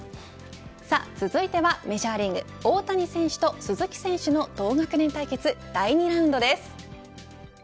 続いてはメジャーリーグ大谷選手と鈴木選手の同学年対決第２ラウンドです。